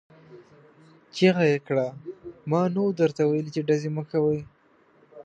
چيغه يې کړه! ما نه وو درته ويلي چې ډزې مه کوئ!